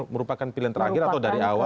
merupakan pilihan terakhir atau dari awal